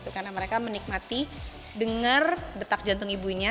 karena mereka menikmati dengar detak jantung ibunya